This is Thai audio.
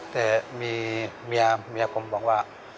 แต่มีเมียผมบอกว่า